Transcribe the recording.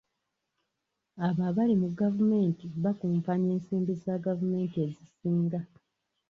Abo abali mu gavumenti bakumpanya ensimbi za gavumenti ezisinga.